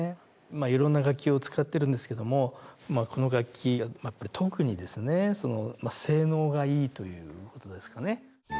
いろんな楽器を使ってるんですけどもこの楽器は特にですね性能がいいということですかね。